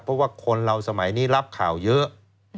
เพราะว่าคนเราสมัยนี้รับข่าวเยอะ